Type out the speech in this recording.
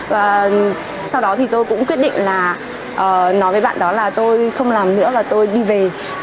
và sau đó thì tôi cũng quyết định là nói với bạn đó là tôi không làm nữa và tôi đi về